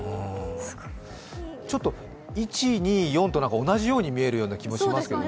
ちょっと１、２、４と同じように見える気もしますけどね。